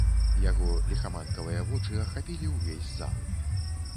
Яго ліхаманкавыя вочы ахапілі ўвесь зал.